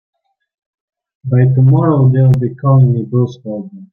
By tomorrow they'll be calling me Bruce Baldwin.